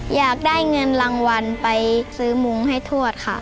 อยากได้เงินรางวัลไปซื้อมุ้งให้ทวดค่ะ